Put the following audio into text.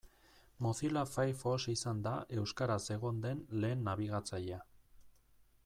Mozilla Firefox izan da euskaraz egon den lehen nabigatzailea.